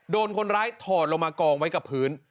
โดนคนร้ายถอดลงมากองไว้กับพื้น